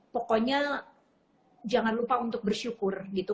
pokoknya jangan lupa untuk bersyukur gitu